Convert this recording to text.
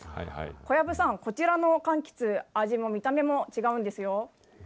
小籔さん、こちらのかんきつ、味も見た目も違うんですよ。